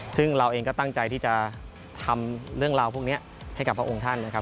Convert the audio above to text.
ซึ่งเราเองก็ตั้งใจที่จะทำเรื่องราวพวกนี้ให้กับพระองค์ท่านนะครับ